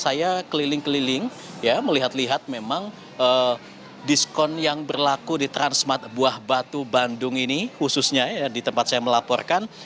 saya keliling keliling melihat lihat memang diskon yang berlaku di transmart buah batu bandung ini khususnya di tempat saya melaporkan